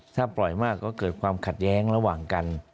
ถ้าปล่อยมากก็เกิดความขัดแย้งระหว่างกัน